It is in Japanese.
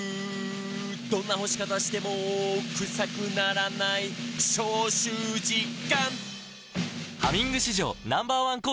「どんな干し方してもクサくならない」「消臭実感！」